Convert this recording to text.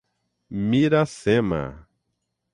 Miracema